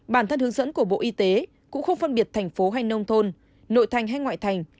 bản thân hướng dẫn của bộ y tế cũng không phân biệt thành phố hay nông thôn nội thành hay ngoại thành